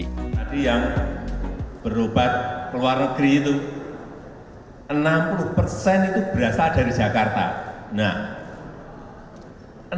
tadi yang berobat ke luar negeri itu enam puluh persen itu berasal dari jakarta